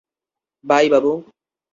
By, Babu.